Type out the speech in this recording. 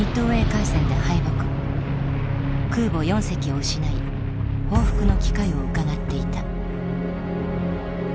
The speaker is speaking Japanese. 空母四隻を失い報復の機会をうかがっていた。